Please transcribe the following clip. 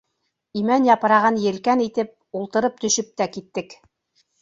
Имән япрағын елкән итеп, ултырып төшөп тә киттек.